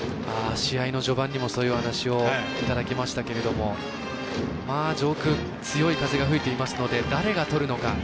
試合の序盤にもそういうお話いただきましたけど上空、強い風が吹いていますので誰が取るのか。